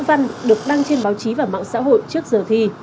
văn được đăng trên báo chí và mạng xã hội trước giờ thi